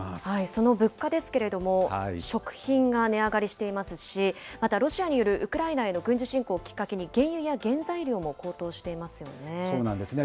その物価ですけれども、食品が値上がりしていますし、またロシアによるウクライナへの軍事侵攻をきっかけに原油や原材料も高そうなんですね。